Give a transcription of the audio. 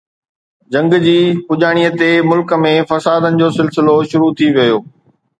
جنگ جي پڄاڻيءَ تي ملڪ ۾ فسادن جو سلسلو شروع ٿي ويو.